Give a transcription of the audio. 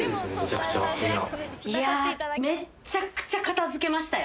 いやぁめっちゃくちゃ片付けましたよ。